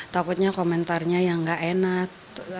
takutnya komentarnya yang gak enak